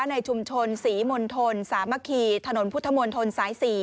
ในชุมชนศรีมณฑลสามัคคีถนนพุทธมนตรสาย๔